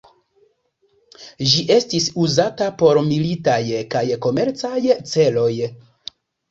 Ĝi estis uzata por militaj kaj komercaj celoj.